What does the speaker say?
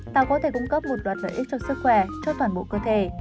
táo có thể cung cấp một đoạn lợi ích cho sức khỏe cho toàn bộ cơ thể